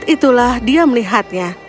itulah dia melihatnya